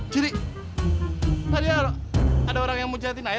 jadi tadi ada orang yang mujahatin ayah